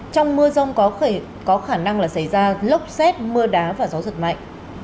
trong mưa rông có khả năng xảy ra lốc xét mưa đá và gió giật mạnh